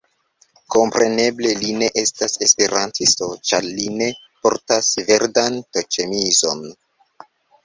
Kompreneble li ne estas esperantisto ĉar li ne portas verdan t-ĉemizon.